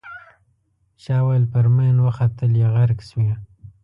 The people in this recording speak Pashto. چا ویل پر ماین وختلې غرق شوې.